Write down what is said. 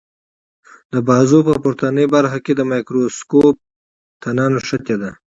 د بازو په پورتنۍ برخه کې د مایکروسکوپ تنه نښتې ده.